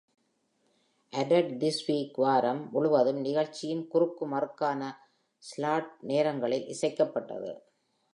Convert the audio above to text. "Added This Week" வாரம் முழுவதும் நிகழ்ச்சியின் குறுக்குமறுக்கான ஸ்லாட் நேரங்களில் இசைக்கப்பட்டது.